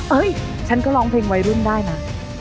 เอ้ยฉันก็ร้องเพลงวัยรุ่นได้นะ